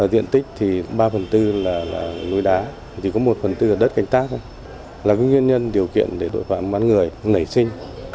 ở diện tích thì ba phần tư là núi đá chỉ có một phần tư là đất cánh tác thôi là nguyên nhân điều kiện để tội phạm bắt người nảy sinh